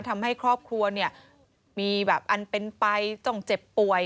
ทำให้ครอบครัวเนี่ยมีแบบอันเป็นไปต้องเจ็บป่วย